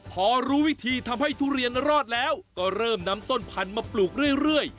พอรู้วิธีทำให้ทุเรียนรอดแล้วก็เริ่มนำต้นพันธุ์มาปลูกเรื่อย